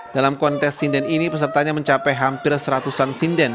dalam kontes sinden ini pesertanya mencapai hampir seratusan sinden